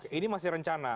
oke ini masih rencana